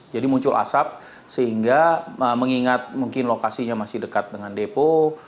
jadi muncul asap sehingga mengingat mungkin lokasinya masih dekat dengan depo